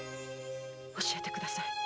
教えてください。